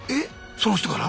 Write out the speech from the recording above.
その人から？